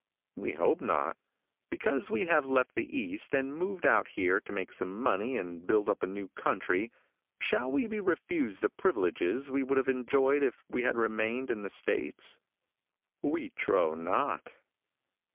We hope not. Because we have left the East and moved out here to make some money and build up a new country, shall we be refused the privileges we would have enjoyed if we had remained in the states. We trow not.